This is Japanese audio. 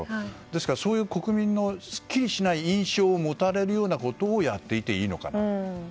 ですから、そういう国民のすっきりしない印象を持たれるようなことをやっていていいのかなと。